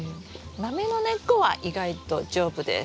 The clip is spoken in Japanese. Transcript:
マメの根っこは意外と丈夫です。